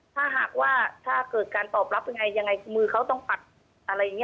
ถ้าหากว่าถ้าเกิดการตอบรับยังไงยังไงมือเขาต้องปัดอะไรอย่างนี้